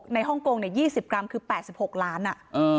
ในฮ่องโกงเนี่ย๒๐กรัมคือ๘๖ล้านอ่ะ